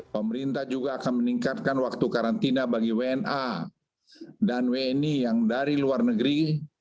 pemerintah juga akan meningkatkan waktu karantina bagi wna dan wni yang dari luar negeri